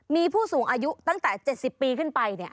มีผู้สูงอายุตั้งแต่๗๐ปีขึ้นไป